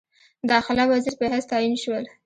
داخله وزیر په حیث تعین شول.